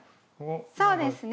そうですね